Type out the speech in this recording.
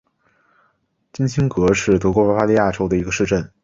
金钦格是德国巴伐利亚州的一个市镇。